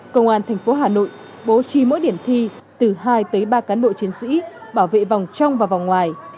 công an tp hà nội bố trì mỗi điểm thi từ hai tới ba cán bộ chiến sĩ bảo vệ vòng trong và vòng ngoài